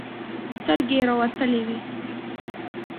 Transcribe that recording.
سترگې يې راوتلې وې.